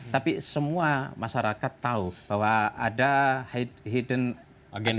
tapi semua masyarakat tahu bahwa ada hidden agenda